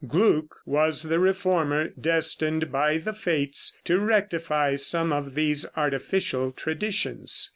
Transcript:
Gluck was the reformer destined by the fates to rectify some of these artificial traditions.